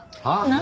何？